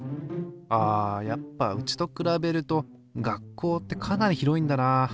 あやっぱうちと比べると学校ってかなり広いんだな。